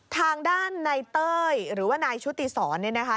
ทางด้านนายเต้ยหรือว่านายชุติศรเนี่ยนะคะ